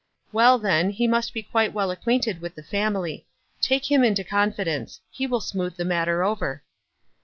" Well, then, he must be quite well acquainted with the family. Take him into confidence ; he will smooth the matter over.'"